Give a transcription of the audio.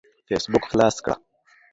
فيسبوک خلاص کړه.